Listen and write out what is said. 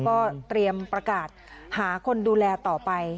ก็เตรียมประกาศหาคนดูแลต่อไป